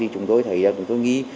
chúng tôi thấy là chúng tôi nghĩ